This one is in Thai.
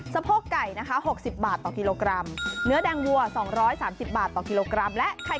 สะโพกไก่นะคะ๖๐บาทต่อกิโลกรัม